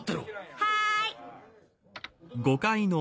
はい！